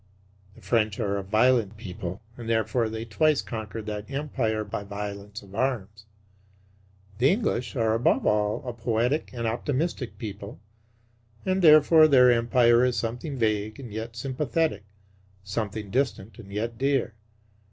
The French are a violent people, and therefore they twice conquered that Empire by violence of arms. The English are above all a poetical and optimistic people; and therefore their Empire is something vague and yet sympathetic, something distant and yet dear.